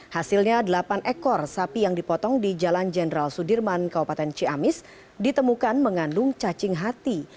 hasilnya delapan ekor sapi yang dipotong di jalan jenderal sudirman kabupaten ciamis ditemukan mengandung cacing hati